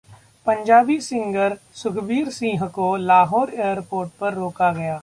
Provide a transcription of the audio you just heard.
Punjabi singer Sukhbir Singh को Lahore airport पर रोका गया